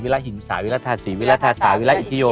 วิราธิหิงศาวิราธาษีวิลาธาษาวิลาอิทยโย